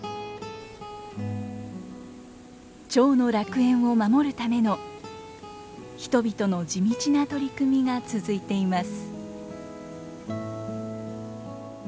チョウの楽園を守るための人々の地道な取り組みが続いています。